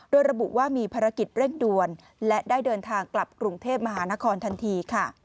โดยระบุว่ามีภารกิจเร่งด่วนและได้เดินทางกลับกรุงเทพมหานครทันทีค่ะ